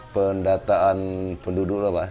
pendataan penduduk pak